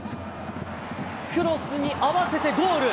クロスに合わせてゴール。